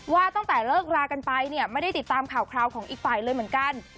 ว่าตั้งแต่เลิกรากันไปเนี่ยไม่ได้ติดตามข่าวคราวของอีกฝ่ายเลยเหมือนกัน